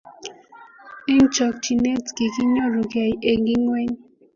eng chokchinet kiginyorugei eng ingweny